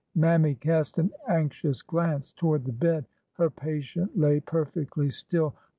Mammy cast an anxious glance toward the bed. Her patient lay perfectly still.